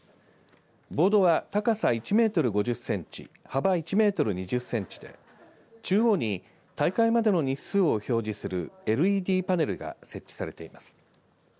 ボードは高さ１メートル５０センチ幅１メートル２０センチで中央に大会までの日数を表示するＬＥＤパネルが設置されています。